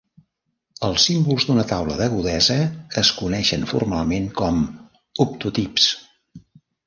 Els símbols d'una taula d'agudesa es coneixen formalment com "optotips".